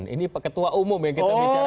ini ketua umum ya kita bicara